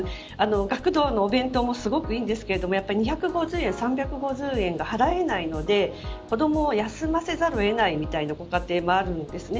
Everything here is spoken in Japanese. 学童のお弁当もすごくいいんですけど２５０円、３５０円が払えないので子どもを休ませざるを得ないみたいなご家庭もあるんですね。